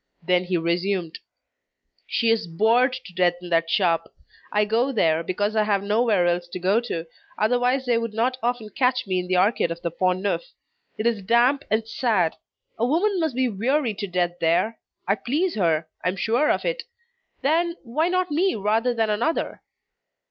Then he resumed: "She is bored to death in that shop. I go there, because I have nowhere else to go to, otherwise they would not often catch me in the Arcade of the Pont Neuf. It is damp and sad. A woman must be wearied to death there. I please her, I am sure of it; then, why not me rather than another?"